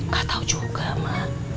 kau tau juga ma